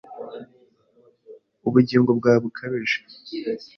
Ubugingo bwawe bukabije;